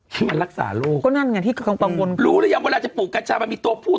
ที่มันรักษาลูกก็นั่นไงที่กังวลรู้รึยังเวลาจะปลูกกัญชามามีตัวผู้